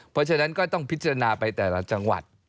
เพราะฉะนั้นก็ต้องพิจารณาไปแต่ละจังหวัด